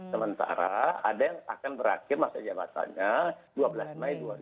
sementara ada yang akan berakhir masa jabatannya dua belas mei dua ribu dua puluh